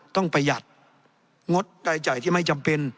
ต้องประหยัดงดได้จ่ายที่ไม่จำเป็น